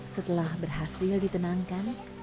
setelah berhasil ditenangkan dia menangis